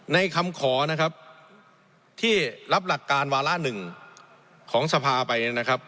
ในคำขอที่รับหลักการวาระ๑ของสภาไป